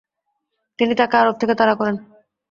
তিনি তাকে আরব থেকে তাড়া করেন।